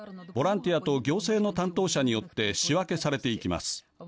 ボランティアと行政の担当者によって仕分けされていきます。